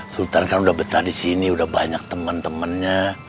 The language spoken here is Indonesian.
sultan kan udah betah di sini udah banyak teman temannya